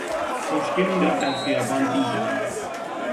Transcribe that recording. خوشگلی را در خیابان دیدم.